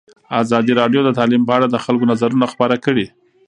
ازادي راډیو د تعلیم په اړه د خلکو نظرونه خپاره کړي.